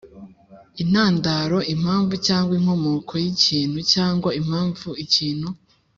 intandaro: impamvu cyangwa inkomokoy’ikintu cyangwa impamvu ikintu